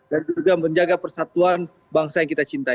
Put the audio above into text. dan juga menjaga persatuan bangsa yang kita cintai